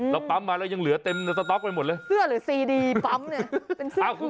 น่ารัก